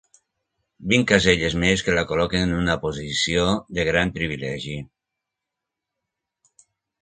Vint caselles més que la col·loquen en una posició de gran privilegi.